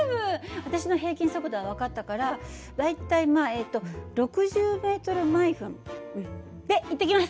私の平均速度は分かったから大体まあえっと６０ｍ／ｍで行ってきます。